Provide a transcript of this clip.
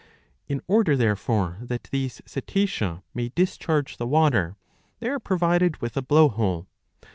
^ In order, therefore, that these Cetacea may discharge the water, they are provided with a blow hole.